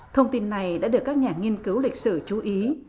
thông tin này đã được các nhà nghiên cứu lịch sử chú ý